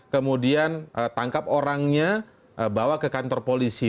kemudian tangkap orangnya bawa ke kantor polisi